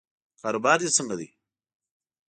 کاروبار دې څنګه دی؟